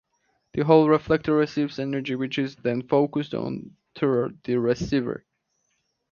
The whole reflector receives energy, which is then focused onto the receiver.